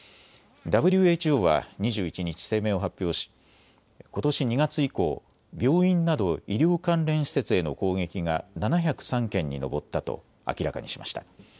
ＷＨＯは２１日、声明を発表しことし２月以降、病院など医療関連施設への攻撃が７０３件に上ったと明らかにしました。